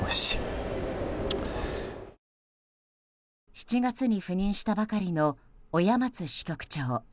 ７月に赴任したばかりの親松支局長。